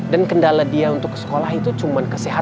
dan kendala dia untuk sekolah itu cuma keseluruhan